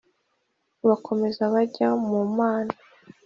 Bakomeza bajya ku Mana.